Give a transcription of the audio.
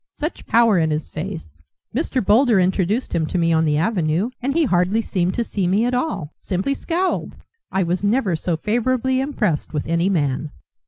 Such power in his face! Mr. Boulder introduced him to me on the avenue, and he hardly seemed to see me at all, simply scowled! I was never so favourably impressed with any man."